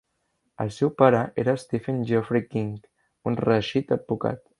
El seu pare era Stephen Geoffrey King, un reeixit advocat.